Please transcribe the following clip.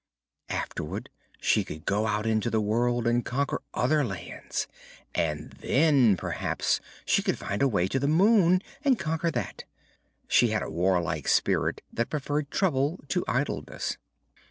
Afterward she could go out into the world and conquer other lands, and then perhaps she could find a way to the moon, and conquer that. She had a warlike spirit that preferred trouble to idleness.